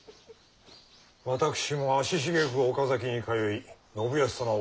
私も足しげく岡崎に通い信康様をお支えいたします。